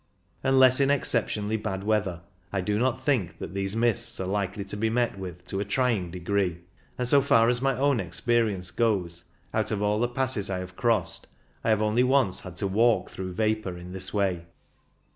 Unless in exceptionally WHAT ARE THE RISKS? 211 bad weather I do not think that these mists are likely to be met with to a trying degree ; and, so far as my own experience goes, out of all the passes I have crossed I have only once had to walk through vapour in this way.